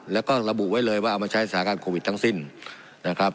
แล้วก็ระบุไว้เลยว่าเอามาใช้สถานการณ์โควิดทั้งสิ้นนะครับ